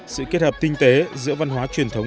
sự kết hợp tinh tế giữa văn hóa truyền thống